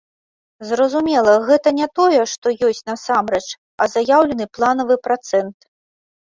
Зразумела, гэта не тое, што ёсць насамрэч, а заяўлены планавы працэнт.